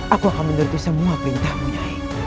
aku akan menerima semua perintahmu nyai